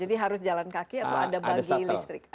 jadi harus jalan kaki atau ada bagi listrik